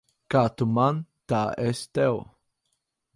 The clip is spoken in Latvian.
Kā tu man, tā es tev.